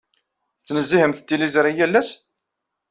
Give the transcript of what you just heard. Tettnezzihemt tiliẓri yal ass?